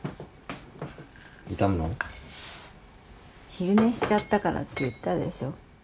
昼寝しちゃったからって言ったでしょ。